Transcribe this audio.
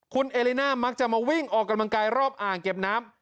คุณเอลิน่ามักจะมาวิ่งออกกำลังกายรอบอ่างเก็บน้ำ